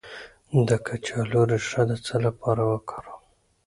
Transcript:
د کچالو ریښه د څه لپاره وکاروم؟